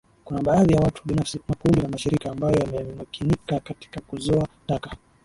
Kuna baadhi ya watu binafsi makundi na mashirika ambayo yamemakinika katika kuzoa taka